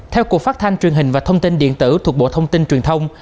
theo cục phát thanh truyền hình và thông tin điện tử thuộc bộ thông tin truyền thông